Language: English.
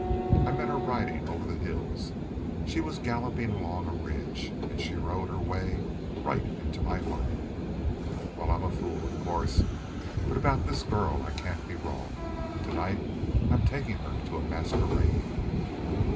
I met her riding over the hills she was galloping along a ridge, and she rode her way right into my heart. Well, I'm a fool, of course, but about this girl I can't be wrong. Tonight I'm taking her to a masquerade."